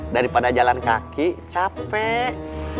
daripada jalan kaki capek